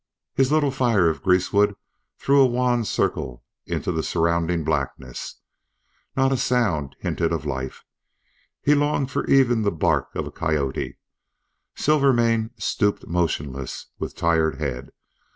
His little fire of greasewood threw a wan circle into the surrounding blackness. Not a sound hinted of life. He longed for even the bark of a coyote. Silvermane stooped motionless with tired head.